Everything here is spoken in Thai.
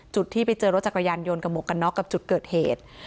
ที่ไปเจอรถจักรยานยนต์กับหมวกกันน็อกกับจุดเกิดเหตุ